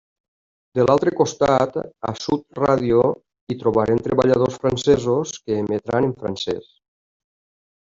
De l'altre costat, a Sud Ràdio, hi trobarem treballadors francesos que emetran en francès.